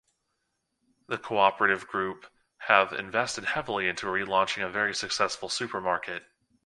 The Co-operative group have invested heavily into re-launching a very successful supermarket.